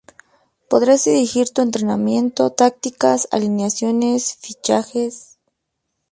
Podías dirigir tu entrenamiento, tácticas, alineaciones, fichajes...